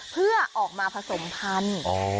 เพื่อออกมาผสมพันธุ์